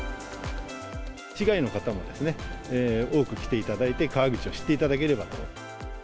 市外の方も多く来ていただいて、川口を知っていただければと。